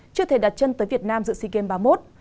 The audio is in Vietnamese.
chưa thể đặt chân tới việt nam dự sea games ba mươi một